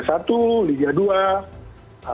baik itu di liga dua